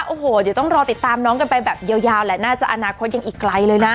โอ้โหเดี๋ยวต้องรอติดตามน้องกันไปแบบยาวแหละน่าจะอนาคตยังอีกไกลเลยนะ